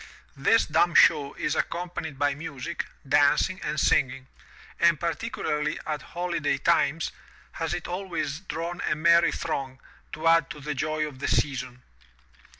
This dumb show is accompanied by music, dancing, and singing, and particularly at holiday times has it always drawn a merry throng, to add to the joy of the season.